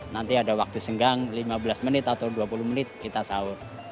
nanti ada waktu senggang lima belas menit atau dua puluh menit kita sahur